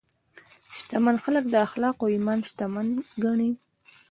شتمن خلک د اخلاقو او ایمان شتمن ګڼي.